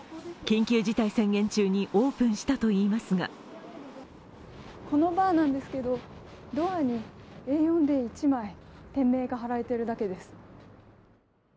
緊急事態宣言中にオープンしたといいますがこのバーなんですけど、ドアにＡ４で１枚、店名が貼られてるだけです。